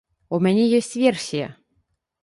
У мяне ёсць версія.